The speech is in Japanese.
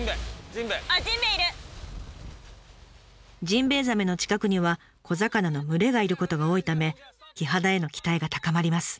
ジンベエザメの近くには小魚の群れがいることが多いためキハダへの期待が高まります。